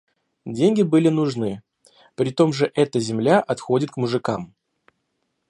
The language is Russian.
Деньги были нужны; притом же эта земля отходит к мужикам.